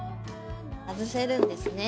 外せるんですね。